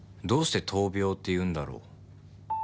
どうして「闘病」って言うんだろう。